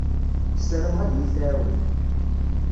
Ssarameɣ ad iyi-tɛawen.